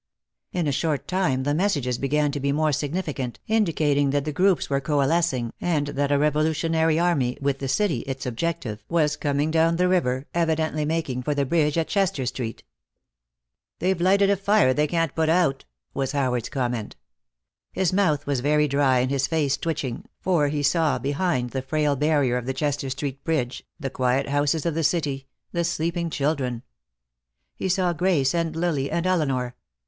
In a short time the messages began to be more significant, indicating that the groups were coalescing and that a revolutionary army, with the city its objective, was coming down the river, evidently making for the bridge at Chester Street. "They've lighted a fire they can't put out," was Howard's comment. His mouth was very dry and his face twitching, for he saw, behind the frail barrier of the Chester Street bridge, the quiet houses of the city, the sleeping children. He saw Grace and Lily, and Elinor.